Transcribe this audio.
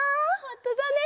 ほんとだね。